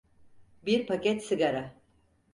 Bir paket sigara.